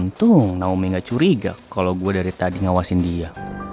untung naome gak curiga kalau gue dari tadi ngawasin dia